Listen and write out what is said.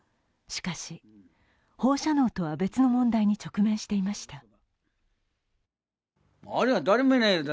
しかし、放射能とは別の問題に直面していました。